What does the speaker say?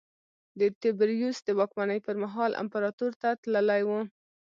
د تبریوس د واکمنۍ پرمهال امپراتور ته تللی و